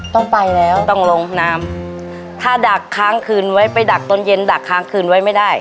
ต้องไปแล้วต้องลงน้ำถ้าดักค้างคืนไว้ไปดักต้นเย็นดักค้างคืนไว้ไม่ได้